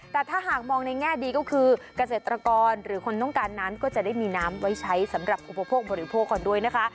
แต่ถ้าหากมองในแง่ดีก็คือเกษตรกรหรือคนต้องการนั้นก็จะได้มีน้ำไว้ใช้สำหรับอุปโภคบริโภคก่อนด้วยนะคะ